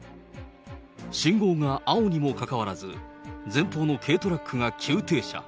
信号が青にもかかわらず、前方の軽トラックが急停車。